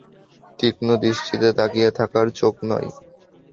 তীক্ষ্ণ দৃষ্টিতে তাকিয়ে থাকার চোখ নয়।